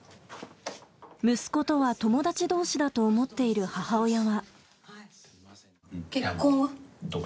息子とは友達同士だと思っている母親は。